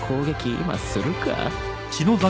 今するか？